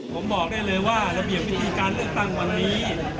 ผมบอกได้เลยว่าระเบียบวิธีการเลือกตั้งวันนี้